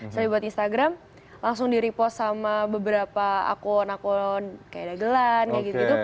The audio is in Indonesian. jadi buat instagram langsung di repost sama beberapa akun akun kayak dagelan kayak gitu